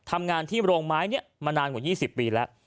ทำงานที่โรงไม้เนี่ยมานานกว่ายี่สิบปีแล้ว